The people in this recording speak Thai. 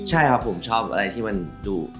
ใช่ครับผมชอบอะไรที่มันดุ